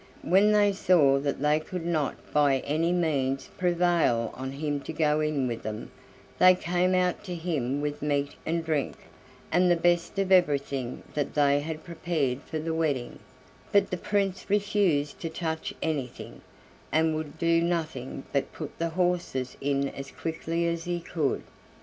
When they saw that they could not by any means prevail on him to go in with them, they came out to him with meat and drink, and the best of everything that they had prepared for the wedding; but the Prince refused to touch anything, and would do nothing but put the horses in as quickly as he could.